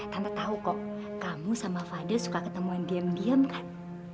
tante tahu kok kamu sama fadil suka ketemuan diam diam kan